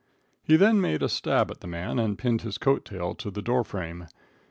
] He then made a stab at the man and pinned his coat tail to the door frame.